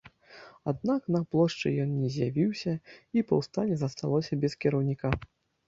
Аднак на плошчы ён не з'явіўся, і паўстанне засталося без кіраўніка.